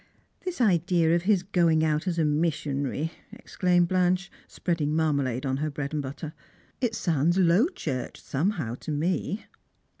" The idea of his going out as a missionary," exclaimed Blanche, spreading marmalade on her bread and butter. " It Bounds Low Church, somehow, to me."